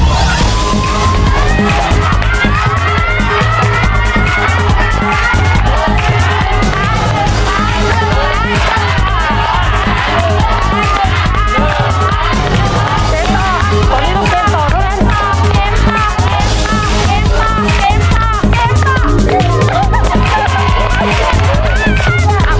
ตอนนี้ต้องเต็มต่อทุกแรม